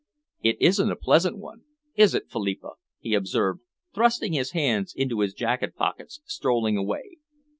"It isn't a pleasant one, is it, Philippa?" he observed, thrusting his hands into his jacket pockets strolling away.